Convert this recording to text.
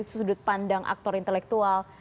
sudut pandang aktor intelektual